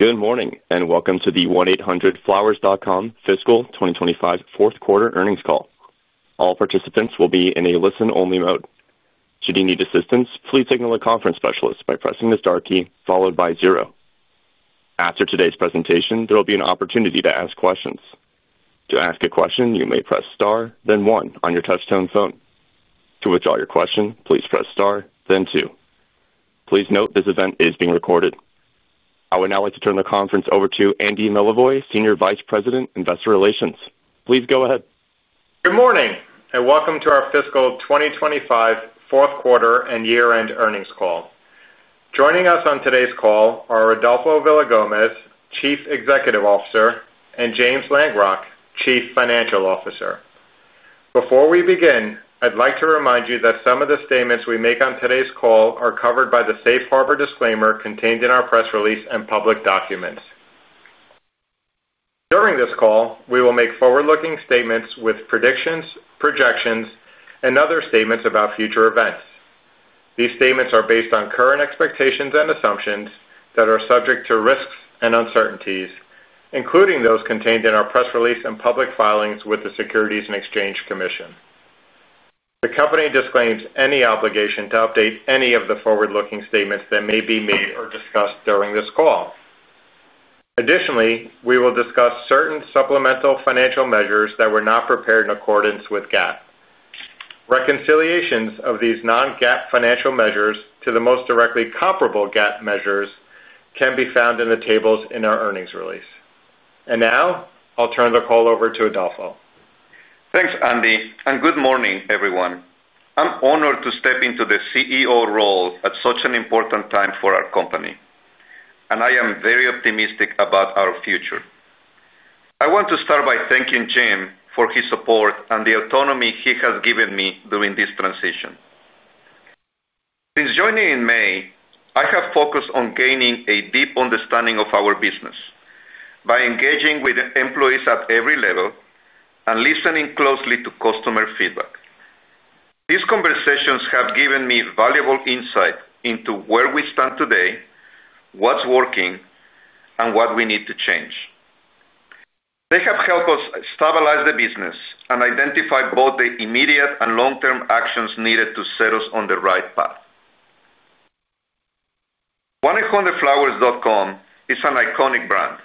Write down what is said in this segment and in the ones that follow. Good morning and welcome to the 1-800-Flowers.com Fiscal 2025 Q4 Earnings Call. All participants will be in a listen-only mode. Should you need assistance, please signal a conference specialist by pressing the star key followed by zero. After today's presentation, there will be an opportunity to ask questions. To ask a question, you may press star, then one on your touch-tone phone. To withdraw your question, please press star, then two. Please note this event is being recorded. I would now like to turn the conference over to Andy Milevoj, Senior Vice President, Investor Relations. Please go ahead. Good morning and welcome to our Fiscal 2025 Q4 and Year-End Earnings Call. Joining us on today's call are Adolfo Villagomez, Chief Executive Officer, and James Langrock, Chief Financial Officer. Before we begin, I'd like to remind you that some of the statements we make on today's call are covered by the Safe Harbor disclaimer contained in our press release and public documents. During this call, we will make forward-looking statements with predictions, projections, and other statements about future events. These statements are based on current expectations and assumptions that are subject to risks and uncertainties, including those contained in our press release and public filings with the Securities and Exchange Commission. The company disclaims any obligation to update any of the forward-looking statements that may be made or discussed during this call. Additionally, we will discuss certain supplemental financial measures that were not prepared in accordance with GAAP. Reconciliations of these non-GAAP financial measures to the most directly comparable GAAP measures can be found in the tables in our earnings release. And now, I'll turn the call over to Adolfo. Thanks, Andy, and good morning, everyone. I'm honored to step into the CEO role at such an important time for our company, and I am very optimistic about our future. I want to start by thanking James for his support and the autonomy he has given me during this transition. Since joining in May, I have focused on gaining a deep understanding of our business by engaging with employees at every level and listening closely to customer feedback. These conversations have given me valuable insight into where we stand today, what's working, and what we need to change. They have helped us stabilize the business and identify both the immediate and long-term actions needed to set us on the right path. 1-800-FLOWERS.COM is an iconic brand,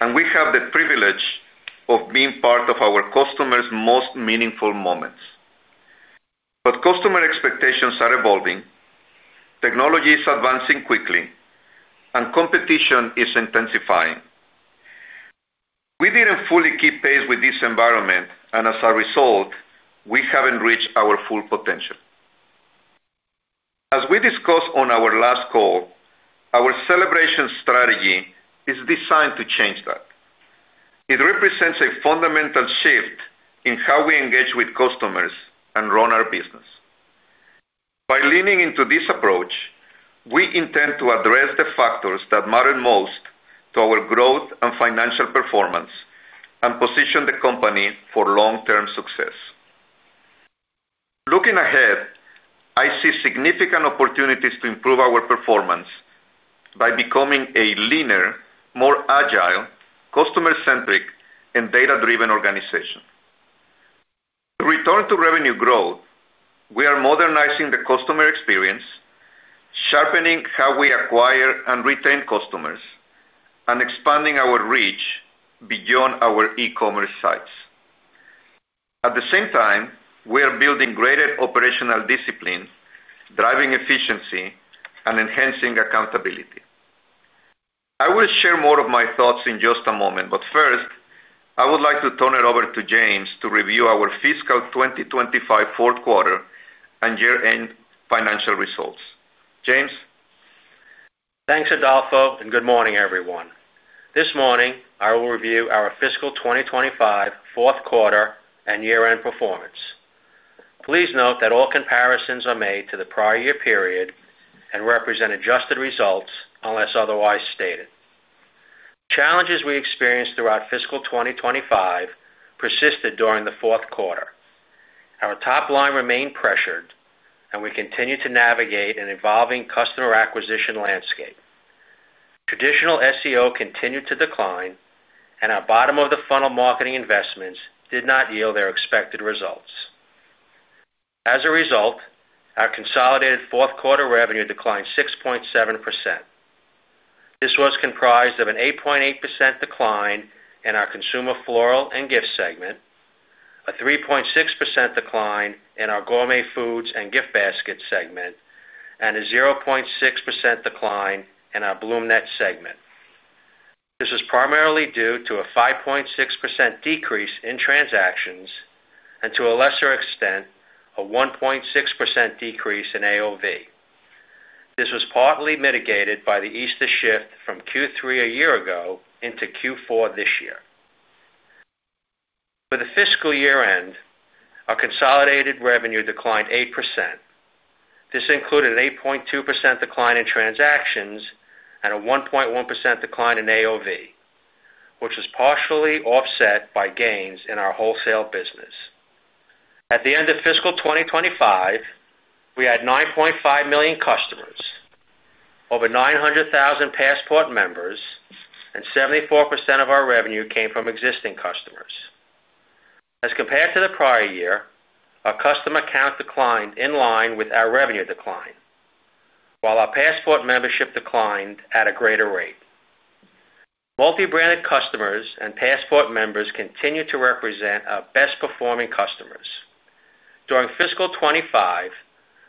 and we have the privilege of being part of our customers' most meaningful moments. But customer expectations are evolving, technology is advancing quickly, and competition is intensifying. We didn't fully keep pace with this environment, and as a result, we haven't reached our full potential. As we discussed on our last call, our celebration strategy is designed to change that. It represents a fundamental shift in how we engage with customers and run our business. By leaning into this approach, we intend to address the factors that matter most to our growth and financial performance and position the company for long-term success. Looking ahead, I see significant opportunities to improve our performance by becoming a leaner, more agile, customer-centric, and data-driven organization. To return to revenue growth, we are modernizing the customer experience, sharpening how we acquire and retain customers, and expanding our reach beyond our e-commerce sites. At the same time, we are building greater operational discipline, driving efficiency, and enhancing accountability. I will share more of my thoughts in just a moment, but first, I would like to turn it over to James to review our fiscal 2025 Q4 and year-end financial results. James. Thanks, Adolfo, and good morning, everyone. This morning, I will review our fiscal 2025 Q4 and year-end performance. Please note that all comparisons are made to the prior year period and represent adjusted results unless otherwise stated. Challenges we experienced throughout fiscal 2025 persisted during the Q4. Our top line remained pressured, and we continued to navigate an evolving customer acquisition landscape. Traditional SEO continued to decline, and our bottom-of-the-funnel marketing investments did not yield their expected results. As a result, our consolidated Q4 revenue declined 6.7%. This was comprised of an 8.8% decline in our Consumer Floral & Gifts segment, a 3.6% decline in our Gourmet Foods & Gift Baskets segment, and a 0.6% decline in our BloomNet segment. This is primarily due to a 5.6% decrease in transactions and, to a lesser extent, a 1.6% decrease in AOV. This was partly mitigated by the Easter shift from Q3 a year ago into Q4 this year. For the fiscal year-end, our consolidated revenue declined 8%. This included an 8.2% decline in transactions and a 1.1% decline in AOV, which was partially offset by gains in our wholesale business. At the end of fiscal 2025, we had 9.5 million customers, over 900,000 Passport members, and 74% of our revenue came from existing customers. As compared to the prior year, our customer count declined in line with our revenue decline, while our Passport membership declined at a greater rate. Multi-branded customers and Passport members continue to represent our best-performing customers. During fiscal 2025,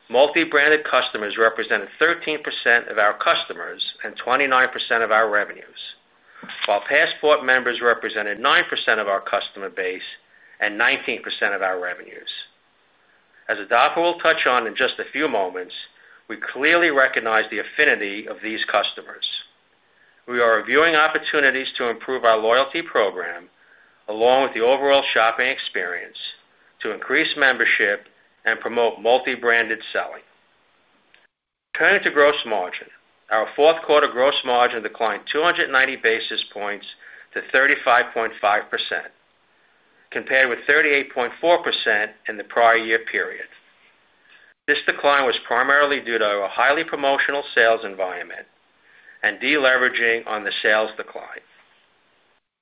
multi-branded customers represented 13% of our customers and 29% of our revenues, while Passport members represented 9% of our customer base and 19% of our revenues. As Adolfo will touch on in just a few moments, we clearly recognize the affinity of these customers. We are reviewing opportunities to improve our loyalty program along with the overall shopping experience to increase membership and promote multi-branded selling. Turning to gross margin, our Q4 gross margin declined 290 basis points to 35.5%, compared with 38.4% in the prior year period. This decline was primarily due to our highly promotional sales environment and deleveraging on the sales decline.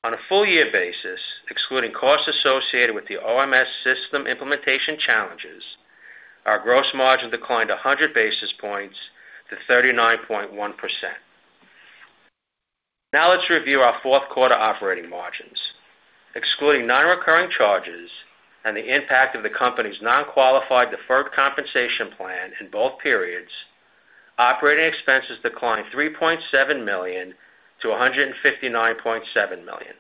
On a full-year basis, excluding costs associated with the OMS system implementation challenges, our gross margin declined 100 basis points to 39.1%. Now let's review our Q4 operating margins. Excluding non-recurring charges and the impact of the company's non-qualified deferred compensation plan in both periods, operating expenses declined $3.7 million to $159.7 million.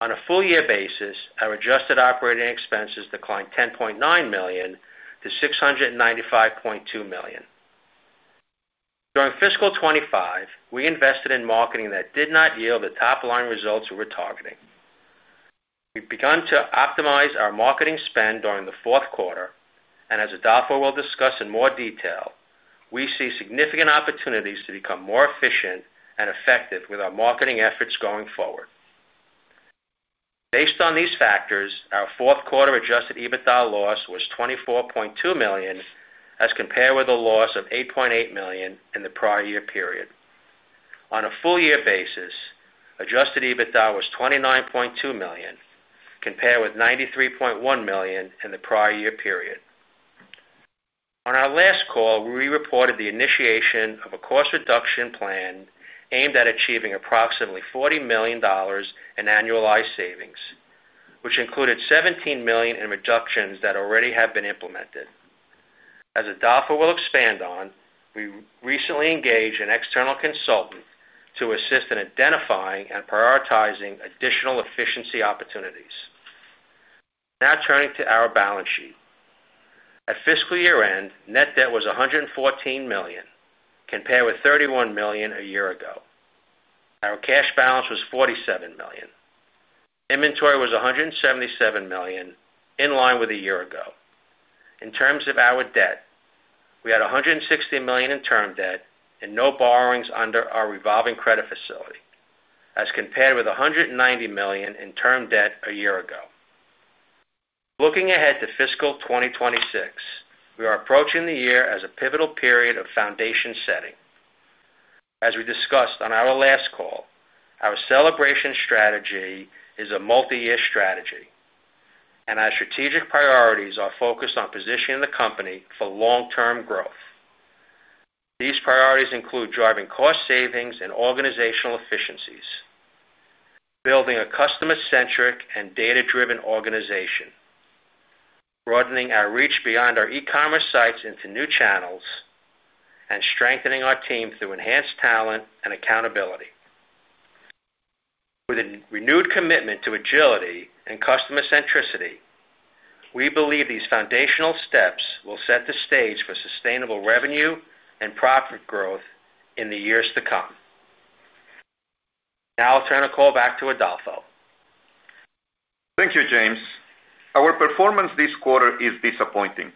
On a full-year basis, our adjusted operating expenses declined $10.9 million to $695.2 million. During fiscal 2025, we invested in marketing that did not yield the top line results we were targeting. We've begun to optimize our marketing spend during the Q4, and as Adolfo will discuss in more detail, we see significant opportunities to become more efficient and effective with our marketing efforts going forward. Based on these factors, our Q4 adjusted EBITDA loss was $24.2 million as compared with a loss of $8.8 million in the prior year period. On a full-year basis, adjusted EBITDA was $29.2 million, compared with $93.1 million in the prior year period. On our last call, we reported the initiation of a cost reduction plan aimed at achieving approximately $40 million in annualized savings, which included $17 million in reductions that already have been implemented. As Adolfo will expand on, we recently engaged an external consultant to assist in identifying and prioritizing additional efficiency opportunities. Now turning to our balance sheet. At fiscal year-end, net debt was $114 million, compared with $31 million a year ago. Our cash balance was $47 million. Inventory was $177 million, in line with a year ago. In terms of our debt, we had $160 million in term debt and no borrowings under our revolving credit facility, as compared with $190 million in term debt a year ago. Looking ahead to fiscal 2026, we are approaching the year as a pivotal period of foundation setting. As we discussed on our last call, our celebration strategy is a multi-year strategy, and our strategic priorities are focused on positioning the company for long-term growth. These priorities include driving cost savings and organizational efficiencies, building a customer-centric and data-driven organization, broadening our reach beyond our e-commerce sites into new channels, and strengthening our team through enhanced talent and accountability. With a renewed commitment to agility and customer-centricity, we believe these foundational steps will set the stage for sustainable revenue and profit growth in the years to come. Now I'll turn the call back to Adolfo. Thank you, James. Our performance this quarter is disappointing,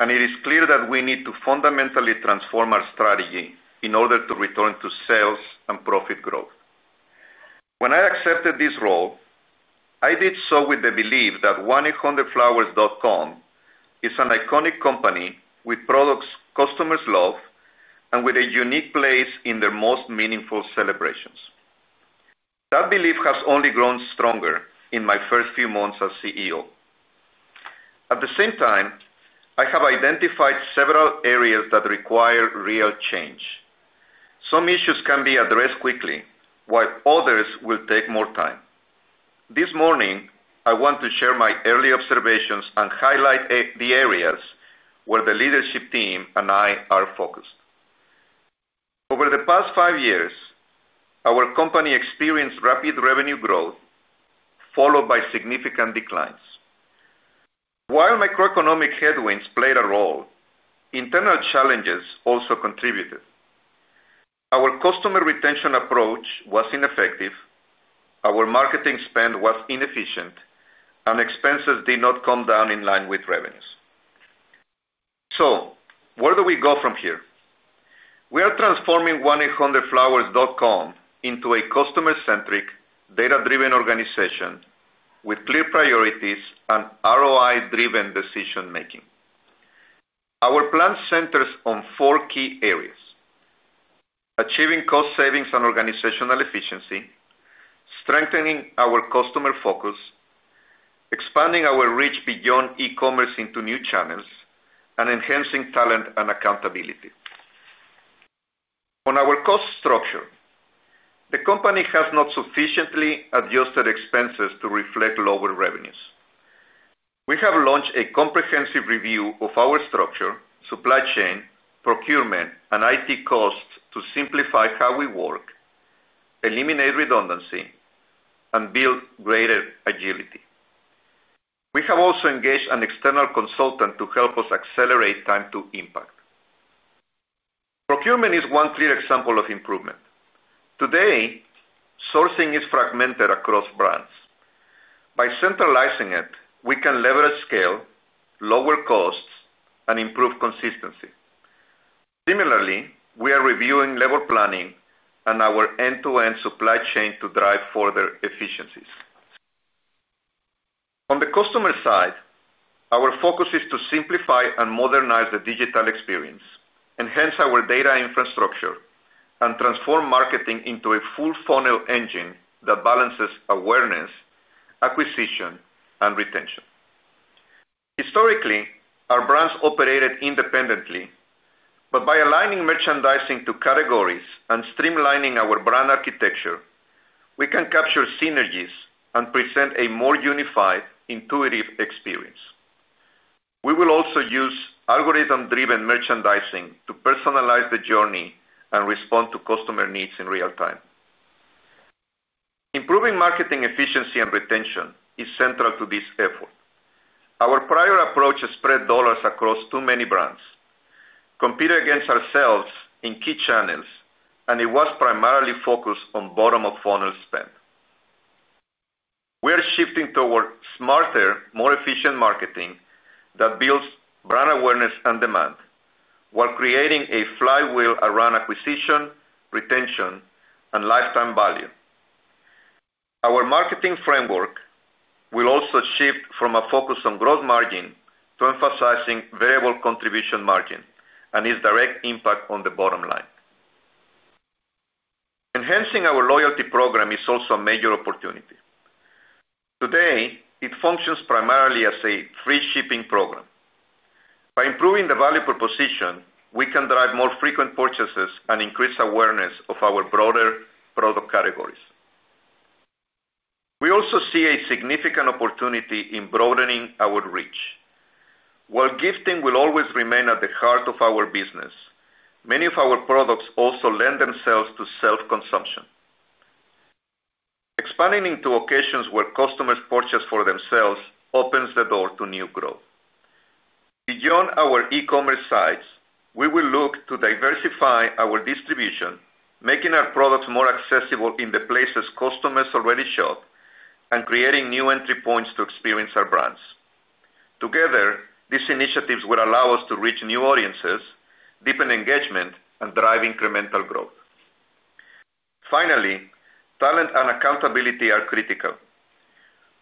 and it is clear that we need to fundamentally transform our strategy in order to return to sales and profit growth. When I accepted this role, I did so with the belief that 1-800-FLOWERS.COM is an iconic company with products customers love and with a unique place in their most meaningful celebrations. That belief has only grown stronger in my first few months as CEO. At the same time, I have identified several areas that require real change. Some issues can be addressed quickly, while others will take more time. This morning, I want to share my early observations and highlight the areas where the leadership team and I are focused. Over the past five years, our company experienced rapid revenue growth followed by significant declines. While microeconomic headwinds played a role, internal challenges also contributed. Our customer retention approach was ineffective, our marketing spend was inefficient, and expenses did not come down in line with revenues. So, where do we go from here? We are transforming 1-800-FLOWERS.COM into a customer-centric, data-driven organization with clear priorities and ROI-driven decision-making. Our plan centers on four key areas: achieving cost savings and organizational efficiency, strengthening our customer focus, expanding our reach beyond e-commerce into new channels, and enhancing talent and accountability. On our cost structure, the company has not sufficiently adjusted expenses to reflect lower revenues. We have launched a comprehensive review of our structure, supply chain, procurement, and IT costs to simplify how we work, eliminate redundancy, and build greater agility. We have also engaged an external consultant to help us accelerate time to impact. Procurement is one clear example of improvement. Today, sourcing is fragmented across brands. By centralizing it, we can leverage scale, lower costs, and improve consistency. Similarly, we are reviewing level planning and our end-to-end supply chain to drive further efficiencies. On the customer side, our focus is to simplify and modernize the digital experience, enhance our data infrastructure, and transform marketing into a full-funnel engine that balances awareness, acquisition, and retention. Historically, our brands operated independently, but by aligning merchandising to categories and streamlining our brand architecture, we can capture synergies and present a more unified, intuitive experience. We will also use algorithm-driven merchandising to personalize the journey and respond to customer needs in real time. Improving marketing efficiency and retention is central to this effort. Our prior approach spread dollars across too many brands, competed against ourselves in key channels, and it was primarily focused on bottom-of-funnel spend. We are shifting toward smarter, more efficient marketing that builds brand awareness and demand while creating a flywheel around acquisition, retention, and lifetime value. Our marketing framework will also shift from a focus on gross margin to emphasizing variable contribution margin and its direct impact on the bottom line. Enhancing our loyalty program is also a major opportunity. Today, it functions primarily as a free shipping program. By improving the value proposition, we can drive more frequent purchases and increase awareness of our broader product categories. We also see a significant opportunity in broadening our reach. While gifting will always remain at the heart of our business, many of our products also lend themselves to self-consumption. Expanding into occasions where customers purchase for themselves opens the door to new growth. Beyond our e-commerce sites, we will look to diversify our distribution, making our products more accessible in the places customers already shop, and creating new entry points to experience our brands. Together, these initiatives will allow us to reach new audiences, deepen engagement, and drive incremental growth. Finally, talent and accountability are critical.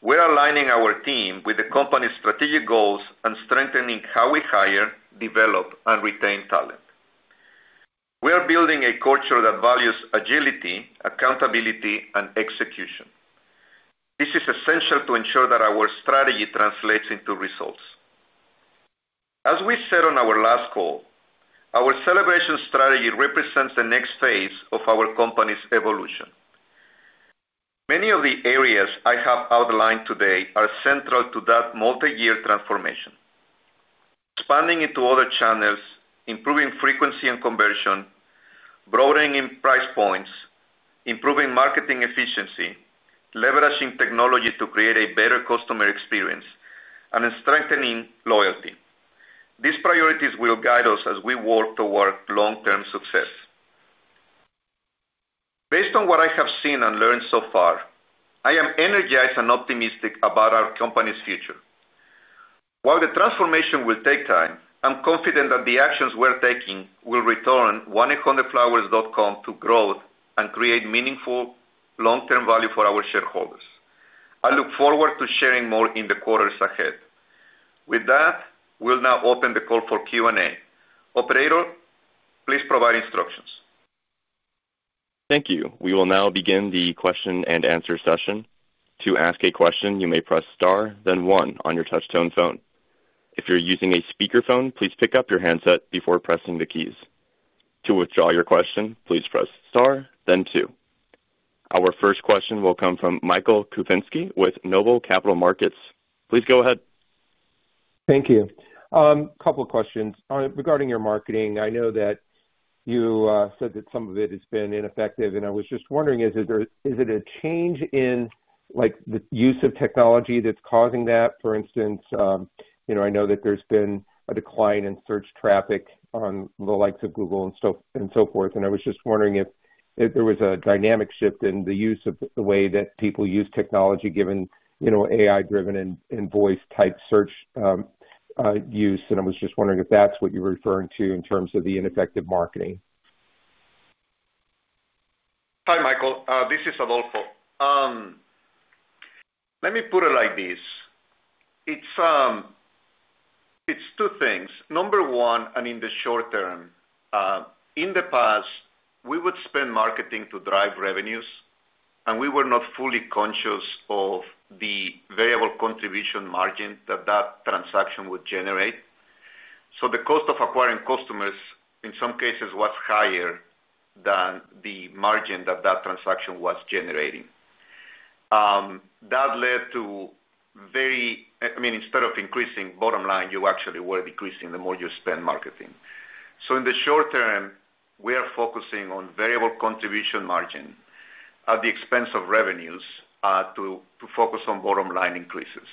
We're aligning our team with the company's strategic goals and strengthening how we hire, develop, and retain talent. We are building a culture that values agility, accountability, and execution. This is essential to ensure that our strategy translates into results. As we said on our last call, our celebration strategy represents the next phase of our company's evolution. Many of the areas I have outlined today are central to that multi-year transformation: expanding into other channels, improving frequency and conversion, broadening price points, improving marketing efficiency, leveraging technology to create a better customer experience, and strengthening loyalty. These priorities will guide us as we work toward long-term success. Based on what I have seen and learned so far, I am energized and optimistic about our company's future. While the transformation will take time, I'm confident that the actions we're taking will return 1-800-FLOWERS.COM to growth and create meaningful long-term value for our shareholders. I look forward to sharing more in the quarters ahead. With that, we'll now open the call for Q&A. Operator, please provide instructions. Thank you. We will now begin the question and answer session. To ask a question, you may press star, then one on your touch-tone phone. If you're using a speakerphone, please pick up your handset before pressing the keys. To withdraw your question, please press star, then two. Our first question will come from Michael Kupinski with Noble Capital Markets. Please go ahead. Thank you. A couple of questions regarding your marketing. I know that you said that some of it has been ineffective, and I was just wondering, is it a change in the use of technology that's causing that? For instance, I know that there's been a decline in search traffic on the likes of Google and so forth. And I was just wondering if there was a dynamic shift in the use of the way that people use technology, given AI-driven and voice-type search use. And I was just wondering if that's what you're referring to in terms of the ineffective marketing. Hi, Michael. This is Adolfo. Let me put it like this. It's two things. Number one, and in the short term, in the past, we would spend marketing to drive revenues, and we were not fully conscious of the variable contribution margin that that transaction would generate. So the cost of acquiring customers, in some cases, was higher than the margin that that transaction was generating. That led to very, I mean, instead of increasing bottom line, you actually were decreasing the more you spend marketing. So in the short term, we are focusing on variable contribution margin at the expense of revenues to focus on bottom line increases.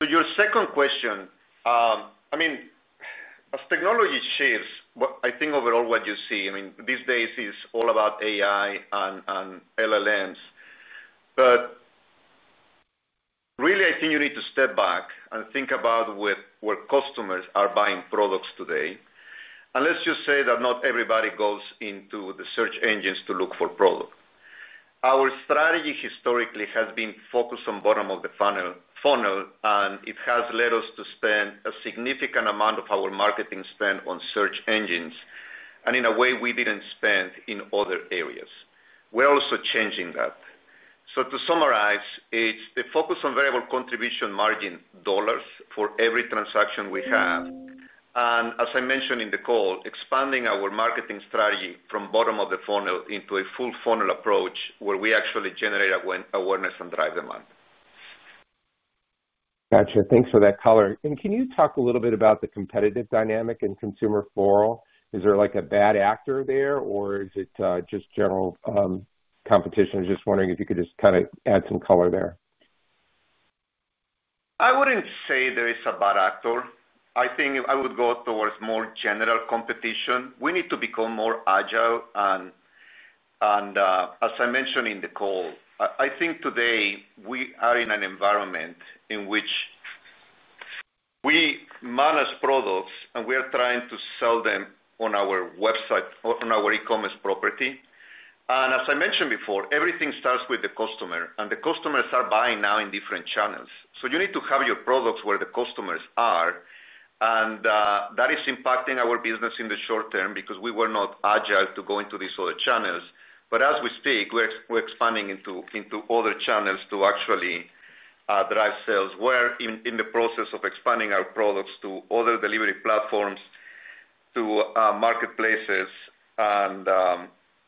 To your second question, I mean, as technology shifts, I think overall what you see, I mean, these days is all about AI and LLMs. But really, I think you need to step back and think about where customers are buying products today. And let's just say that not everybody goes into the search engines to look for product. Our strategy historically has been focused on bottom of the funnel, and it has led us to spend a significant amount of our marketing spend on search engines. And in a way, we didn't spend in other areas. We're also changing that. So to summarize, it's the focus on variable contribution margin dollars for every transaction we have. And as I mentioned in the call, expanding our marketing strategy from bottom of the funnel into a full-funnel approach where we actually generate awareness and drive demand. Gotcha. Thanks for that color, and can you talk a little bit about the competitive dynamic and Consumer Floral? Is there like a bad actor there, or is it just general competition? Just wondering if you could just kind of add some color there. I wouldn't say there is a bad actor. I think I would go towards more general competition. We need to become more agile. And as I mentioned in the call, I think today we are in an environment in which we manage products, and we are trying to sell them on our website, on our e-commerce property. And as I mentioned before, everything starts with the customer, and the customers are buying now in different channels. So you need to have your products where the customers are. And that is impacting our business in the short term because we were not agile to go into these other channels. But as we speak, we're expanding into other channels to actually drive sales. We're in the process of expanding our products to other delivery platforms, to marketplaces, and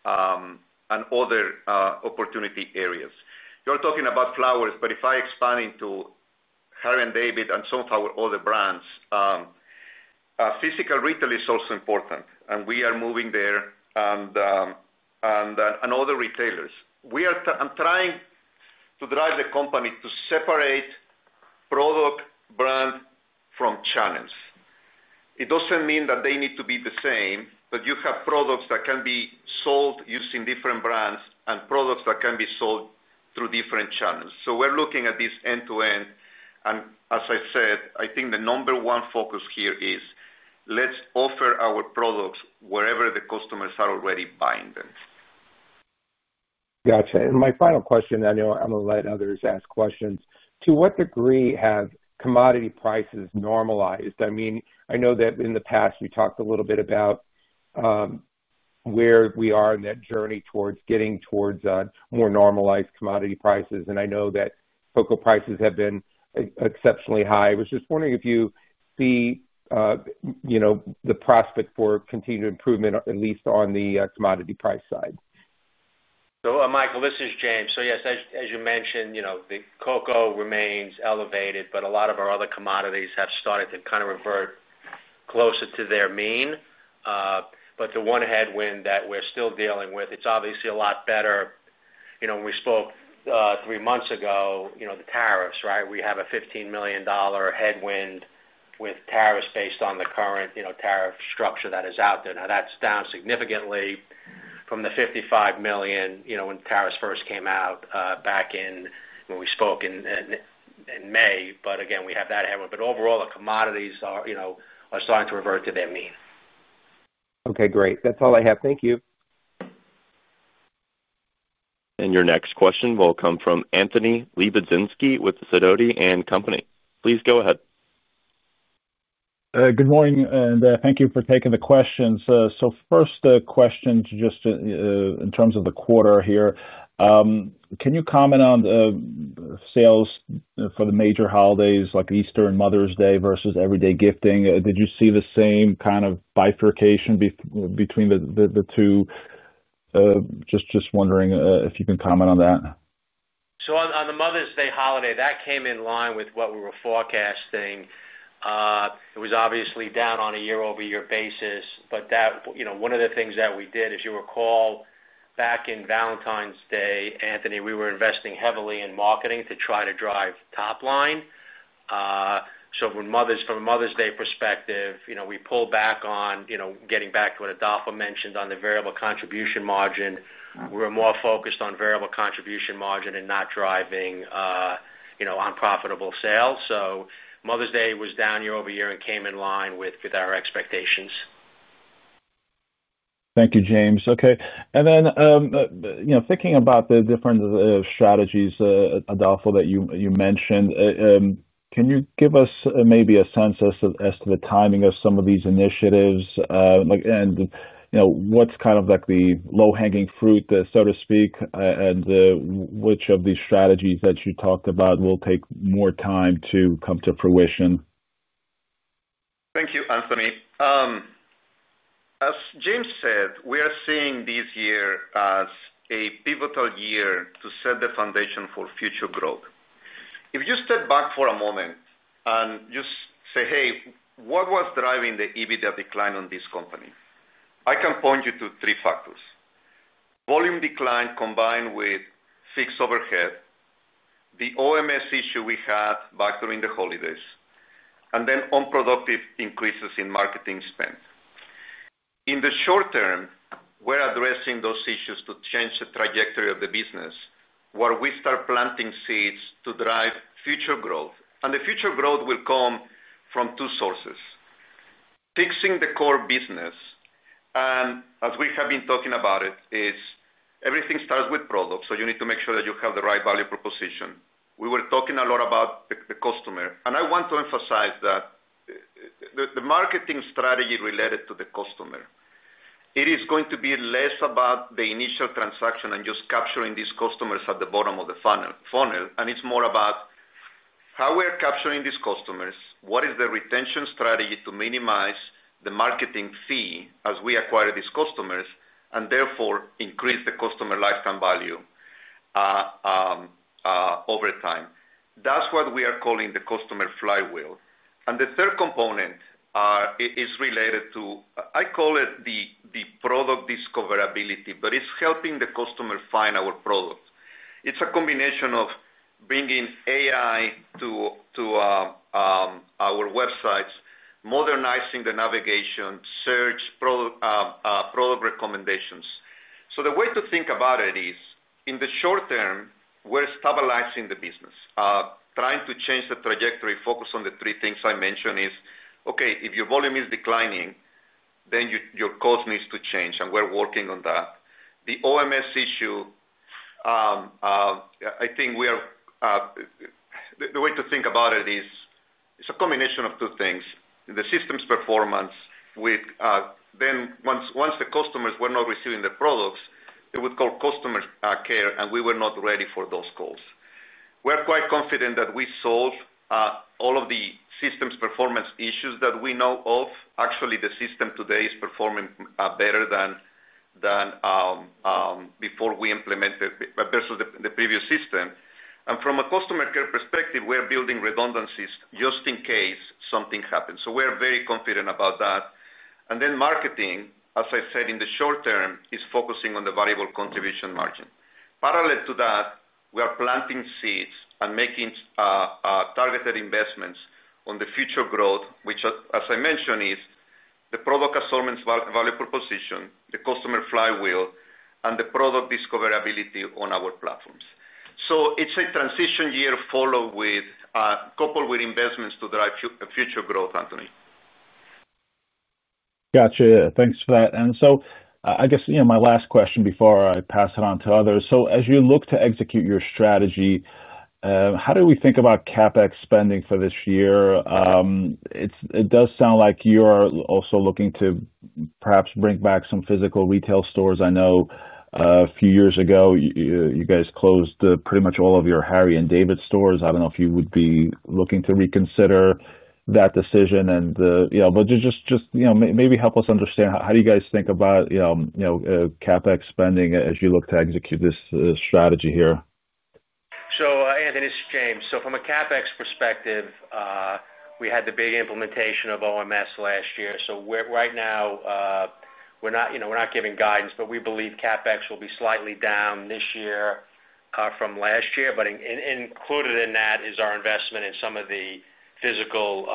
other opportunity areas. You're talking about flowers, but if I expand into Harry & David and some of our other brands, physical retail is also important. And we are moving there and other retailers. I'm trying to drive the company to separate product brand from channels. It doesn't mean that they need to be the same, but you have products that can be sold using different brands and products that can be sold through different channels. So we're looking at this end-to-end. And as I said, I think the number one focus here is let's offer our products wherever the customers are already buying them. Gotcha, and my final question, and I know I'm going to let others ask questions. To what degree have commodity prices normalized? I mean, I know that in the past, you talked a little bit about where we are in that journey towards getting more normalized commodity prices, and I know that cocoa prices have been exceptionally high. I was just wondering if you see the prospect for continued improvement, at least on the commodity price side? So Michael, this is James. So yes, as you mentioned, the cocoa remains elevated, but a lot of our other commodities have started to kind of revert closer to their mean. But the one headwind that we're still dealing with, it's obviously a lot better. When we spoke three months ago, the tariffs, right? We have a $15 million headwind with tariffs based on the current tariff structure that is out there. Now, that's down significantly from the $55 million when tariffs first came out back in when we spoke in May. But again, we have that headwind. But overall, the commodities are starting to revert to their mean. Okay, great. That's all I have. Thank you. Your next question will come from Anthony Lebiedzinski with Sidoti & Company. Please go ahead. Good morning, and thank you for taking the questions. So first question just in terms of the quarter here. Can you comment on sales for the major holidays like Easter and Mother's Day versus everyday gifting? Did you see the same kind of bifurcation between the two? Just wondering if you can comment on that. So on the Mother's Day holiday, that came in line with what we were forecasting. It was obviously down on a year-over-year basis. But one of the things that we did, as you recall, back in Valentine's Day, Anthony, we were investing heavily in marketing to try to drive top line. So from a Mother's Day perspective, we pulled back on getting back to what Adolfo mentioned on the variable contribution margin. We were more focused on variable contribution margin and not driving unprofitable sales. So Mother's Day was down year-over-year and came in line with our expectations. Thank you, James. Okay. And then thinking about the different strategies, Adolfo, that you mentioned, can you give us maybe a sense as to the timing of some of these initiatives and what's kind of like the low-hanging fruit, so to speak, and which of these strategies that you talked about will take more time to come to fruition? Thank you, Anthony. As James said, we are seeing this year as a pivotal year to set the foundation for future growth. If you step back for a moment and just say, "Hey, what was driving the EBITDA decline on this company?" I can point you to three factors: volume decline combined with fixed overhead, the OMS issue we had back during the holidays, and then unproductive increases in marketing spend. In the short term, we're addressing those issues to change the trajectory of the business where we start planting seeds to drive future growth. And the future growth will come from two sources: fixing the core business. And as we have been talking about it, everything starts with product. So you need to make sure that you have the right value proposition. We were talking a lot about the customer. And I want to emphasize that the marketing strategy related to the customer, it is going to be less about the initial transaction and just capturing these customers at the bottom of the funnel. And it's more about how we are capturing these customers, what is the retention strategy to minimize the marketing fee as we acquire these customers, and therefore increase the customer lifetime value over time. That's what we are calling the customer flywheel. And the third component is related to, I call it the product discoverability, but it's helping the customer find our product. It's a combination of bringing AI to our websites, modernizing the navigation, search, product recommendations. So the way to think about it is, in the short term, we're stabilizing the business, trying to change the trajectory. Focus on the three things I mentioned is okay if your volume is declining, then your cost needs to change. And we're working on that. The OMS issue, I think the way to think about it is it's a combination of two things. The system's performance and then once the customers were not receiving the products, they would call customer care, and we were not ready for those calls. We're quite confident that we solved all of the system's performance issues that we know of. Actually, the system today is performing better than before we implemented versus the previous system. And from a customer care perspective, we are building redundancies just in case something happens. So we're very confident about that. And then marketing, as I said, in the short term, is focusing on the variable contribution margin. Parallel to that, we are planting seeds and making targeted investments on the future growth, which, as I mentioned, is the product assortment's value proposition, the customer flywheel, and the product discoverability on our platforms. So it's a transition year followed, coupled with investments to drive future growth, Anthony. Gotcha. Thanks for that. And so I guess my last question before I pass it on to others. So as you look to execute your strategy, how do we think about CapEx spending for this year? It does sound like you're also looking to perhaps bring back some physical retail stores. I know a few years ago, you guys closed pretty much all of your Harry & David stores. I don't know if you would be looking to reconsider that decision. But just maybe help us understand how do you guys think about CapEx spending as you look to execute this strategy here. So, Anthony, this is James. So from a CapEx perspective, we had the big implementation of OMS last year. So right now, we're not giving guidance, but we believe CapEx will be slightly down this year from last year. But included in that is our investment in some of the physical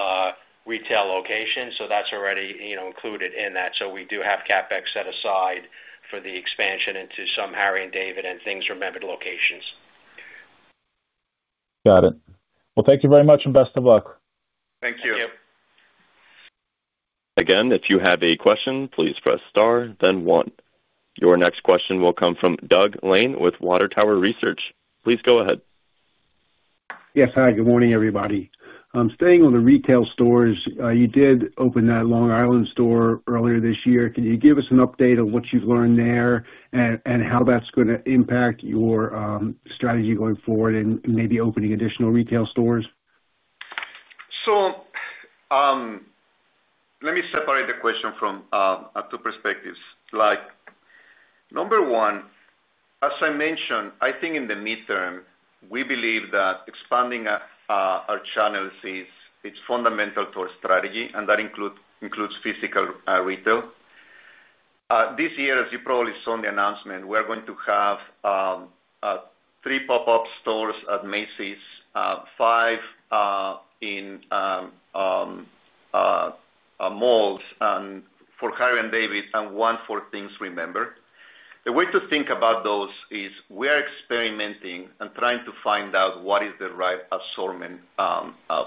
retail locations. So that's already included in that. So we do have CapEx set aside for the expansion into some Harry & David and Things Remembered locations. Got it. Well, thank you very much and best of luck. Thank you. Again, if you have a question, please press star, then one. Your next question will come from Doug Lane with Water Tower Research. Please go ahead. Yes, hi, good morning, everybody. I'm staying on the retail stores. You did open that Long Island store earlier this year. Can you give us an update on what you've learned there and how that's going to impact your strategy going forward and maybe opening additional retail stores? So let me separate the question from two perspectives. Number one, as I mentioned, I think in the midterm, we believe that expanding our channels is fundamental to our strategy, and that includes physical retail. This year, as you probably saw in the announcement, we're going to have three pop-up stores at Macy's, five in malls for Harry & David, and one for Things Remembered. The way to think about those is we are experimenting and trying to find out what is the right assortment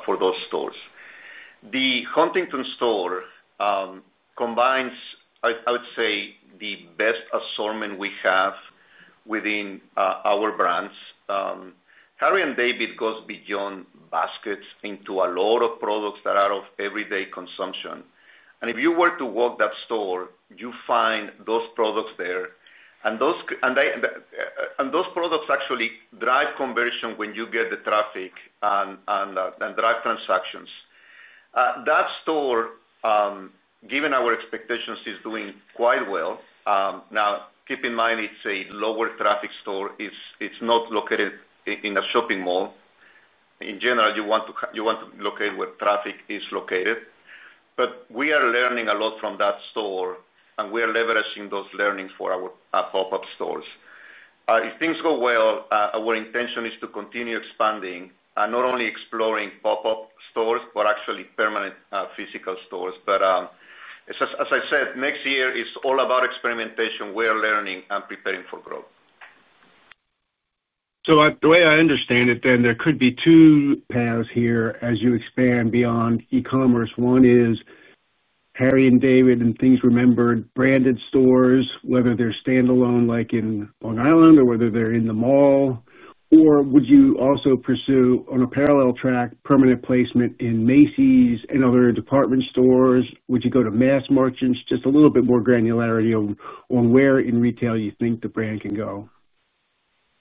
for those stores. The Huntington store combines, I would say, the best assortment we have within our brands. Harry & David goes beyond baskets into a lot of products that are of everyday consumption. And if you were to walk that store, you find those products there. And those products actually drive conversion when you get the traffic and drive transactions. That store, given our expectations, is doing quite well. Now, keep in mind, it's a lower traffic store. It's not located in a shopping mall. In general, you want to locate where traffic is located. But we are learning a lot from that store, and we are leveraging those learnings for our pop-up stores. If things go well, our intention is to continue expanding and not only exploring pop-up stores, but actually permanent physical stores. But as I said, next year is all about experimentation, we are learning, and preparing for growth. So the way I understand it, then there could be two paths here as you expand beyond e-commerce. One is Harry & David and Things Remembered branded stores, whether they're standalone like in Long Island or whether they're in the mall. Or would you also pursue on a parallel track, permanent placement in Macy's and other department stores? Would you go to mass merchants, just a little bit more granularity on where in retail you think the brand can go?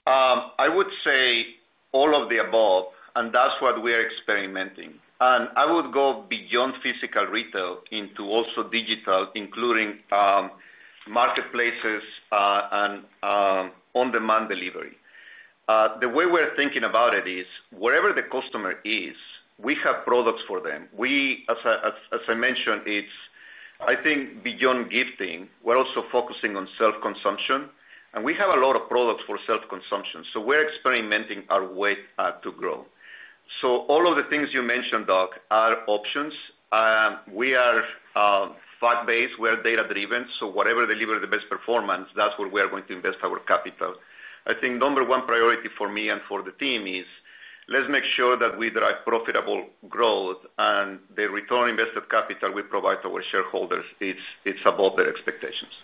I would say all of the above, and that's what we are experimenting. And I would go beyond physical retail into also digital, including marketplaces and on-demand delivery. The way we're thinking about it is wherever the customer is, we have products for them. As I mentioned, I think beyond gifting, we're also focusing on self-consumption. And we have a lot of products for self-consumption. So we're experimenting our way to grow. So all of the things you mentioned, Doug, are options. We are fact-based. We are data-driven. So whatever delivers the best performance, that's where we are going to invest our capital. I think number one priority for me and for the team is let's make sure that we drive profitable growth and the return on invested capital we provide to our shareholders is above their expectations.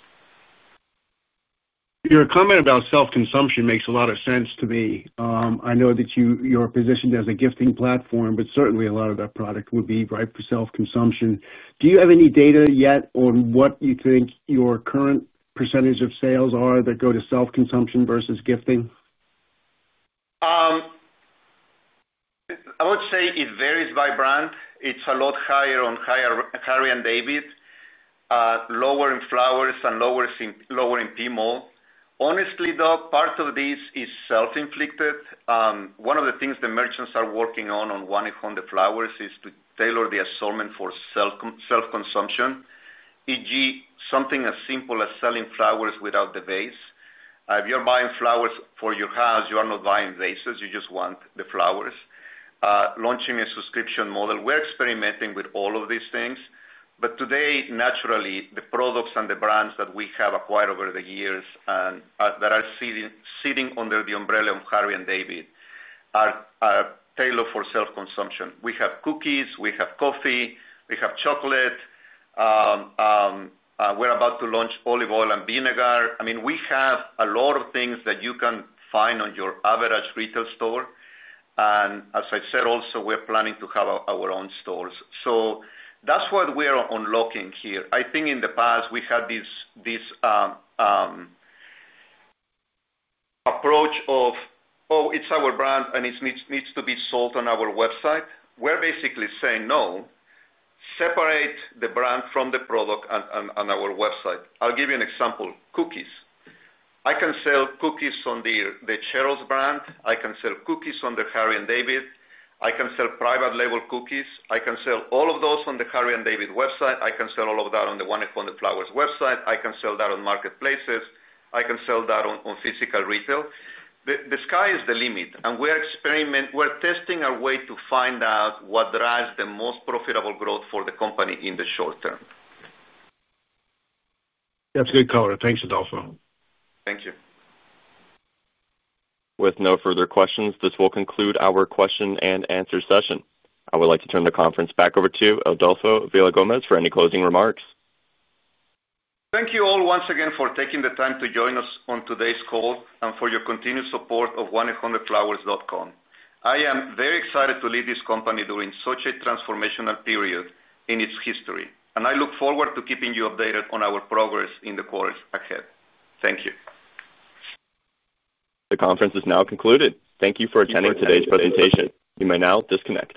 Your comment about self-consumption makes a lot of sense to me. I know that you're positioned as a gifting platform, but certainly a lot of that product would be right for self-consumption. Do you have any data yet on what you think your current percentage of sales are that go to self-consumption versus gifting? I would say it varies by brand. It's a lot higher on Harry & David, lower in flowers, and lower in PMall. Honestly, Doug, part of this is self-inflicted. One of the things the merchants are working on, on one hand, the flowers is to tailor the assortment for self-consumption, e.g., something as simple as selling flowers without the vase. If you're buying flowers for your house, you are not buying vases. You just want the flowers. Launching a subscription model. We're experimenting with all of these things. But today, naturally, the products and the brands that we have acquired over the years and that are sitting under the umbrella of Harry & David are tailored for self-consumption. We have cookies. We have coffee. We have chocolate. We're about to launch olive oil and vinegar. I mean, we have a lot of things that you can find on your average retail store, and as I said, also, we're planning to have our own stores, so that's what we are unlocking here. I think in the past, we had this approach of, "Oh, it's our brand, and it needs to be sold on our website." We're basically saying, "No, separate the brand from the product and our website." I'll give you an example. Cookies. I can sell cookies on the Cheryl's brand. I can sell cookies on the Harry & David. I can sell private label cookies. I can sell all of those on the Harry & David website. I can sell all of that on the 1-800-Flowers website. I can sell that on marketplaces. I can sell that on physical retail. The sky is the limit. We're testing our way to find out what drives the most profitable growth for the company in the short term. That's a good color. Thanks, Adolfo. Thank you. With no further questions, this will conclude our question and answer session. I would like to turn the conference back over to Adolfo Villagomez for any closing remarks. Thank you all once again for taking the time to join us on today's call and for your continued support of 1-800-Flowers.com. I am very excited to lead this company during such a transformational period in its history. I look forward to keeping you updated on our progress in the quarters ahead. Thank you. The conference is now concluded. Thank you for attending today's presentation. You may now disconnect.